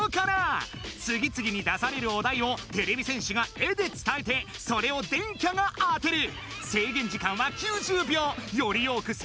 次々に出されるお題をてれび戦士が絵で伝えてそれを電キャが当てる！